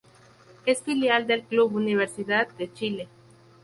Es filial del Club Universidad de Chile.